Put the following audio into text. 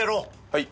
はい。